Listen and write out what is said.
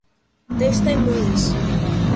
testemunhas